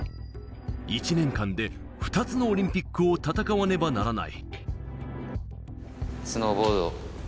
１年間で２つのオリンピックを戦わねばならない。